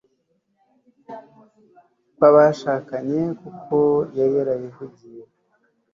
kw'abashakanye, kuko yari yarabivugiye